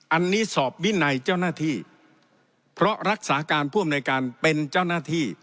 อันนี้สอบวินัยเจ้าหน้าที่เพราะรักษาการผู้อำนวยการเป็นเจ้าหน้าที่